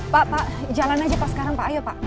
pak pak jalan aja pak sekarang pak ayo pak